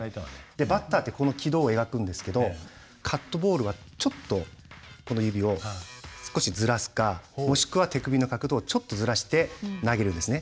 バッターってこの軌道を描くんですけどカットボールはちょっと指を少しずらすかもしくは手首の角度をちょっとずらして投げるんですね。